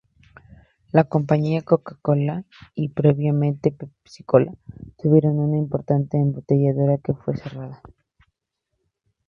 La compañía Coca Cola y previamente PepsiCola tuvieron una importante embotelladora que fue cerrada.